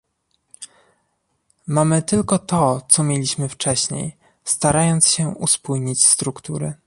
Mamy tylko to, co mieliśmy wcześniej, starając się uspójnić struktury